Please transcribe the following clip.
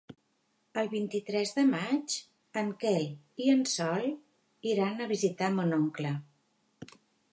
El vint-i-tres de maig en Quel i en Sol iran a visitar mon oncle.